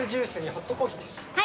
はい。